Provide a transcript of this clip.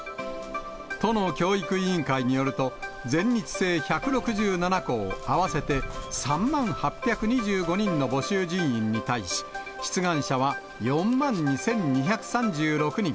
都の教育委員会によると、全日制１６７校、合わせて３万８２５人の募集人員に対し、出願者は４万２２３６人。